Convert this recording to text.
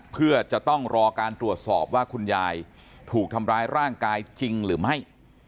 เพื่อจะต้องรอการตรวจสอบว่าคุณยายถูกทำร้ายร่างกายจริงหรือไม่